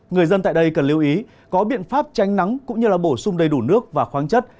người dân tại đây cần lưu ý có biện pháp tránh nắng cũng như là bổ sung đầy đủ nước và khoáng chất